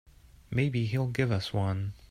Maybe he'll give us one.